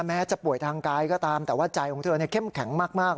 แม้จะป่วยทางกายก็ตามแต่ว่าใจของเธอเข้มแข็งมาก